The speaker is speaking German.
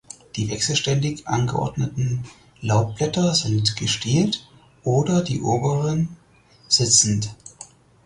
Die wechselständig angeordneten Laubblätter sind gestielt oder die oberen sitzend.